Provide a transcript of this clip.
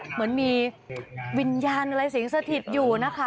เหมือนมีวิญญาณอะไรสิงสถิตอยู่นะคะ